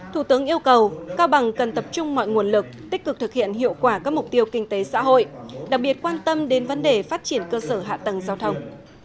thủ tướng yêu cầu cao bằng cần tập trung mọi nguồn lực tích cực thực hiện hiệu quả các mục tiêu kinh tế xã hội đặc biệt quan tâm đến vấn đề phát triển cơ sở hạ tầng giao thông